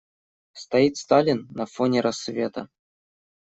Стоит Сталин на фоне рассвета.